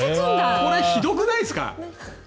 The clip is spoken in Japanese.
これひどくないですか。